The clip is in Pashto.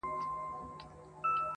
سبا او بله ورځ به-